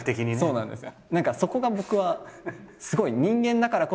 そうなんですよ。